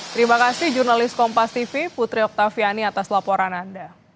terima kasih jurnalis kompas tv putri oktaviani atas laporan anda